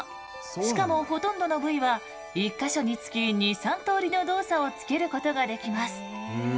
しかもほとんどの部位は１か所につき２３通りの動作をつけることができます。